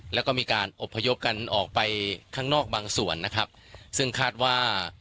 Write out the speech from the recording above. แล้วก็มีการอบพยพกันออกไปข้างนอกบางส่วนนะครับซึ่งคาดว่า